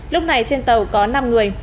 lúc này trên tàu có năm người